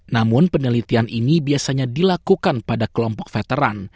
namun penelitian ini biasanya dilakukan pada kelompok veteran